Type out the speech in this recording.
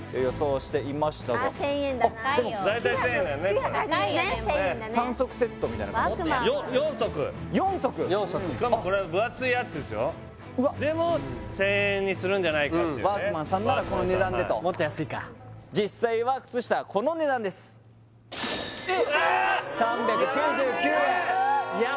しかもこれはでも１０００円にするんじゃないかっていうねワークマンさんならこの値段でともっと安いか実際は靴下この値段ですえっヤッベ！